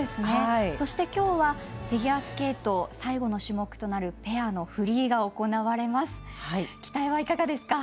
そして、きょうはフィギュアスケート最後の種目となるペアのフリーが行われます。